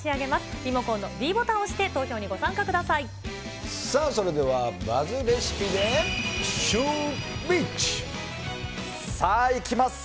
リモコンのｄボタンを押して、さあ、それではバズレシピでシューＷｈｉｃｈ。さあいきます。